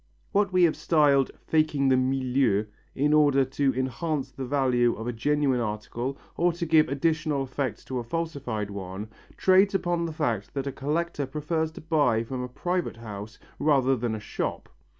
What we have styled "faking the milieu," in order to enhance the value of a genuine article or to give additional effect to a falsified one, trades upon the fact that a collector prefers to buy from a private house rather than a shop.